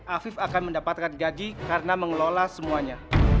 afif akan mendapatkan gaji karena mengelola semuanya